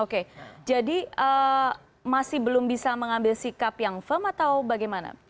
oke jadi masih belum bisa mengambil sikap yang firm atau bagaimana